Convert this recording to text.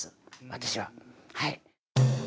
私ははい。